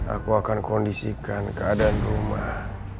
aku akan kondisikan keadaan rumah